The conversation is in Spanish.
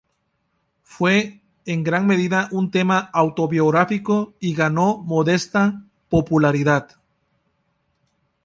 Fue en gran medida un tema autobiográfico y ganó modesta popularidad.